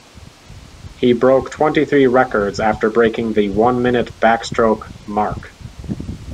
He broke twenty-three records after breaking the one-minute backstroke mark.